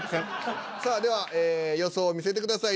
さあではええ予想を見せてください。